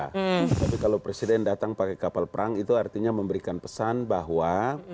tapi kalau presiden datang pakai kapal perang itu artinya memberikan pesan bahwa